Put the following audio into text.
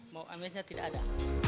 mau ambilnya tidak ada